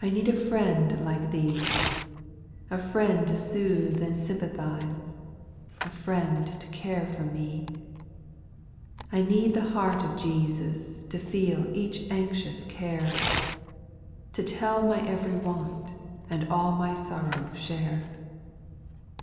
I need a friend like Thee, A friend to soothe and sympathize, a friend to care for me, I need the heart of Jesus to feel each anxious care, To tell my every want, and all my sorrow share.